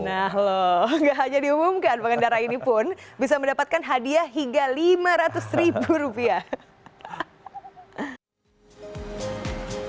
nah loh nggak hanya diumumkan pengendara ini pun bisa mendapatkan hadiah hingga lima ratus ribu rupiah